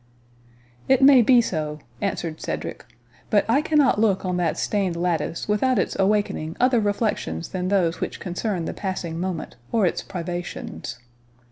"It may be so," answered Cedric; "but I cannot look on that stained lattice without its awakening other reflections than those which concern the passing moment, or its privations.